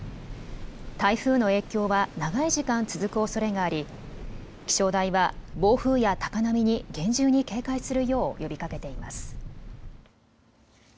台風の影響は長い時間続くおそれがあり気象台は暴風や高波に厳重に警戒するよう呼びかけています。